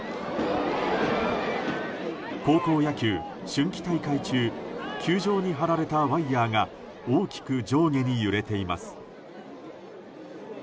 高校野球春季大会中球場に張られたワイヤが大きく上下に揺れています。